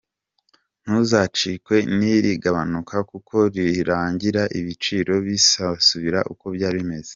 Ntuzacikwe n’iri gabanuka kuko nirirangira ibiciro bizasubira uko byari bimeze.